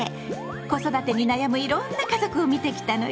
子育てに悩むいろんな家族を見てきたのよ。